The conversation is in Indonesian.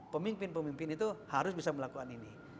pemimpin pemimpin itu harus bisa melakukan ini